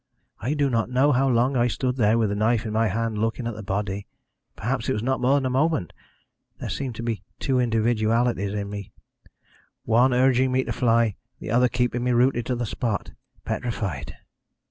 "I do not know how long I stood there, with the knife in my hand, looking at the body perhaps it was not more than a moment. There seemed to be two individualities in me, one urging me to fly, the other keeping me rooted to the spot, petrified.